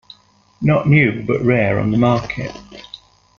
Not new, but rare on the market.